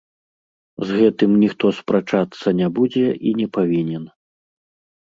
З гэтым ніхто спрачацца не будзе і не павінен.